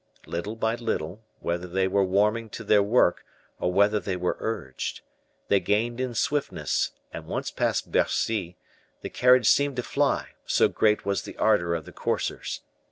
Little by little, whether they were warming to their work, or whether they were urged, they gained in swiftness, and once past Bercy, the carriage seemed to fly, so great was the ardor of the coursers.